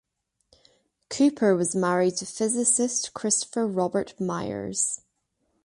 Cooper was married to physicist Christopher Robert Myers.